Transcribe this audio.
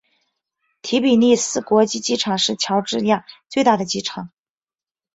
提比利斯国际机场是乔治亚最大的机场。